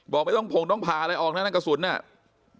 บอกต้องพาอะไรออกนั่นกระสุนเนี่ย